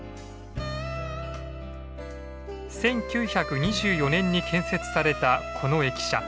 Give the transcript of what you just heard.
１９２４年に建設されたこの駅舎。